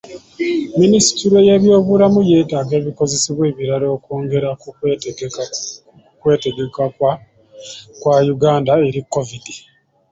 Minisitule y'ebyobulamu yeetaaga ebikozesebwa ebirala okwongera ku kwetegeka kwa Uganda eri kovidi.